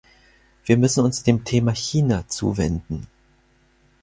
Wir müssen uns dem Thema China zuwenden.